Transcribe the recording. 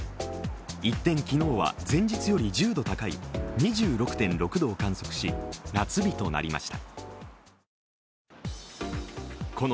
一転、昨日は前日より１０度高い２６．６度を観測し、夏日となりました。